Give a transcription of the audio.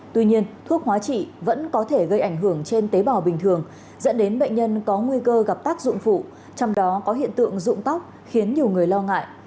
tuy nhiên thuốc hóa trị vẫn có thể gây ảnh hưởng trên tế bào bình thường dẫn đến bệnh nhân có nguy cơ gặp tác dụng phụ trong đó có hiện tượng dụng tóc khiến nhiều người lo ngại